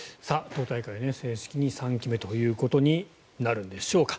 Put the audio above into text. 党大会で正式に３期目ということになるんでしょうか。